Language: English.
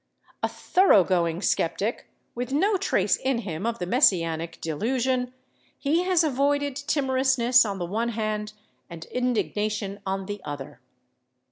A thoroughgoing skeptic, with no trace in him of the messianic delusion, he has avoided timorousness on the one hand and indignation on the other.